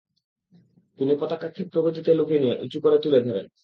তিনি পতাকা ক্ষিপ্রগতিতে লুফে নিয়ে উঁচু করে তুলে ধরেন।